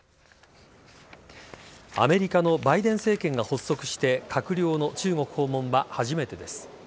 アメリカのバイデン政権が発足して閣僚の中国訪問は初めてです。